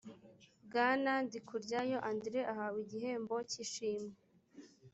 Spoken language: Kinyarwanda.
bwana ndikuryayo andr ahawe igihembo cyishimwe